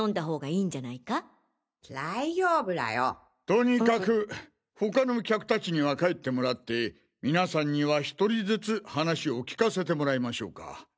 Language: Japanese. とにかく他の客たちには帰ってもらってみなさんには１人ずつ話を聞かせてもらいましょうか。